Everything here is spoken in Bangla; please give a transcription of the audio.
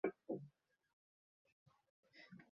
বৃষ্টির জল এই নদীর প্রবাহের প্রধান উৎস।